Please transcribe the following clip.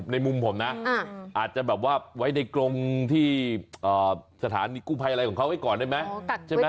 ในมุมผมนะอาจจะแบบว่าไว้ในกรงที่สถานีกู้ภัยอะไรของเขาไว้ก่อนได้ไหม